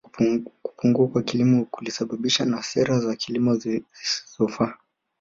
Kupungua kwa kilimo kulisababishwa na sera za kilimo zisizofaa